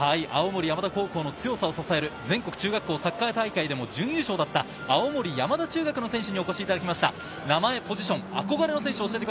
青森山田高校の強さを支える全国中学校サッカー大会でも準優勝だった青森山田中学の選手にお越しいただきました。